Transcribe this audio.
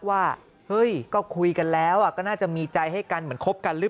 ว่าเฮ้ยก็คุยกันแล้วก็น่าจะมีใจให้กันเหมือนคบกันหรือ